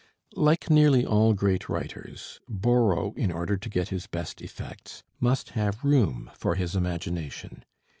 Like nearly all great writers, Borrow, in order to get his best effects, must have room for his imagination.